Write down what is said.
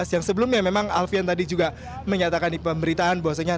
yang sebelumnya memang alfian tadi juga menyatakan di pemberitaan bahwasanya